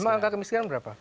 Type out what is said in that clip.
emang anggar kemiskinan berapa